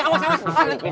sampe gak dik